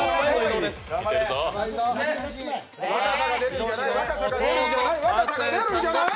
若さが出るんじゃない！？